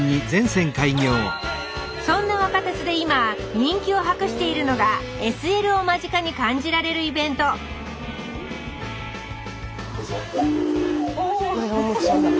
そんな若鉄で今人気を博しているのがＳＬを間近に感じられるイベントお！